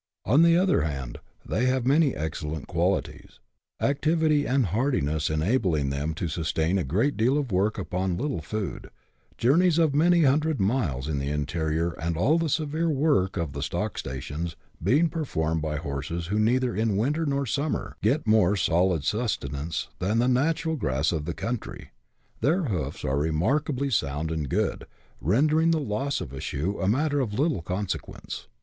On the other hand, they have many excellent qualities ; activity and hardiness enabling them to sustain a great deal of work upon little food ; journeys of many hundred miles in the interior, and all the severe work of the stock stations, being performed by horses who neither in winter nor summer get more solid suste nance than the natural grass of the country. Their hoofs are remarkably sound and good, rendering the loss of a shoe a matter of little consequence.